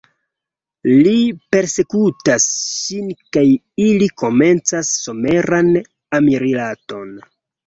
Li persekutas ŝin kaj ili komencas someran amrilaton.